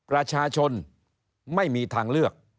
ประชาชนไม่มีทางเลือก